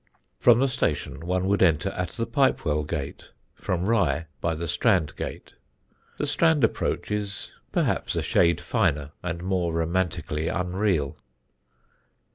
From the station one would enter at the Pipewell Gate; from Rye, by the Strand Gate. The Strand approach is perhaps a shade finer and more romantically unreal.